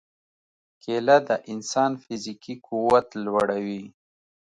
کېله د انسان فزیکي قوت لوړوي.